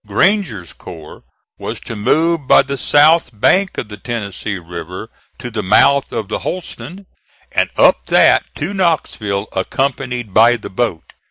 Granger's corps was to move by the south bank of the Tennessee River to the mouth of the Holston, and up that to Knoxville accompanied by the boat.